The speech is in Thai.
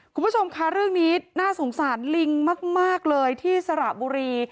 คุณผู้ชมค่ะเรื่องนี้น่าสงสารลิงมากเลยที่สระบุรี